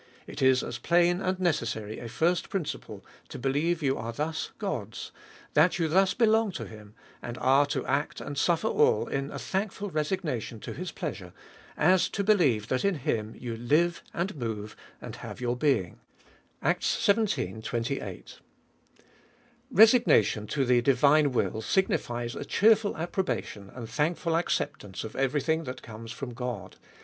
It is as DEVOUT AND HOLY tIFE. 315 plain and necessary a first principle, to believe that you are thus God's, that you thus belong to him, and are to act and suffer all in a thankful resignation to his pleasure, as to believe, that in him you live, and move, and have your being. Resignation to the divine will signifies a cheerful approbation and thankful acceptance of every thing that comes from God.